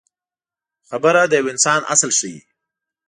خبره د یو انسان اصل ښيي.